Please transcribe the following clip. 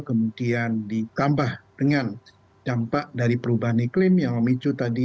kemudian ditambah dengan dampak dari perubahan iklim yang memicu tadi